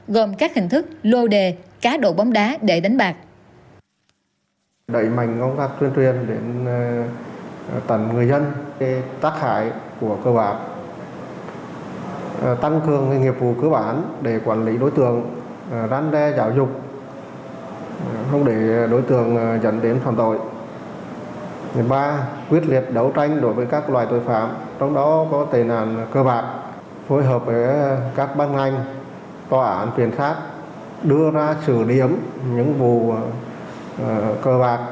gồm các hình thức lô đề cá đổ bóng đá để đánh bạc